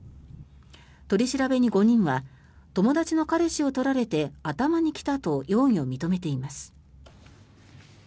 取り調べに５人は友達の彼氏を取られて頭にきたと容疑を認めています。